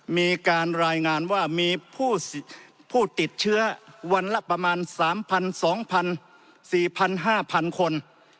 มีการรายงานว่ามีผู้ติดเชื้อวันละประมาณ๓๒๔๕๐๐๐คน